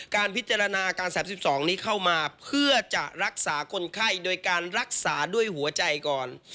การพิจารณาอาการ๓๒นี้เข้ามาเพื่อจะรักษาคนไข้โดยการรักษาด้วยหัวใจก่อน